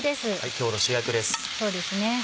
今日の主役です。